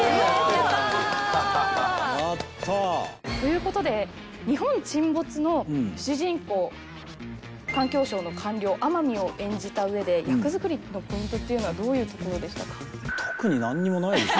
やったーということで「日本沈没」の主人公環境省の官僚天海を演じたうえで役作りのポイントっていうのはどういうところでしたか？